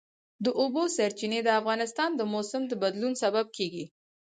د اوبو سرچینې د افغانستان د موسم د بدلون سبب کېږي.